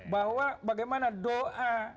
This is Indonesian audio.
bahwa bagaimana doa usaha